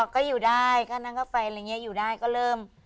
ก็อยู่ได้ก็นั่งเข้าไฟอยู่ได้ก็เริ่ม